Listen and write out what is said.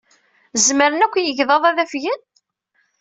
Zemren akk yegḍaḍ ad afgen?